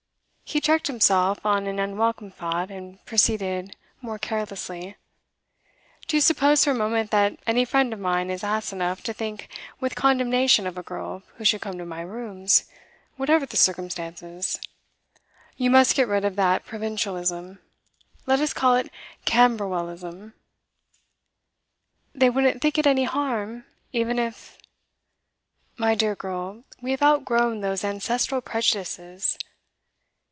He checked himself on an unwelcome thought, and proceeded more carelessly. 'Do you suppose for a moment that any friend of mine is ass enough to think with condemnation of a girl who should come to my rooms whatever the circumstances? You must get rid of that provincialism let us call it Camberwellism.' 'They wouldn't think it any harm even if ?' 'My dear girl, we have outgrown those ancestral prejudices.